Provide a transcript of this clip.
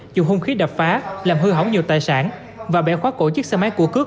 dùng hung khí đập phá làm hư hỏng nhiều tài sản và bẻ khóa cổ chiếc xe máy của cướp